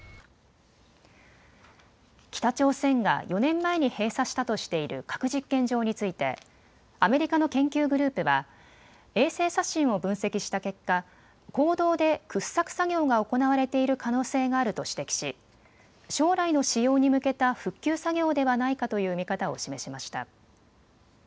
北朝鮮が４年前に閉鎖したとしている核実験場についてアメリカの研究グループは衛星写真を分析した結果、坑道で掘削作業が行われている可能性があると指摘し将来の使用に向けた復旧作業ではないかという見方を示しました。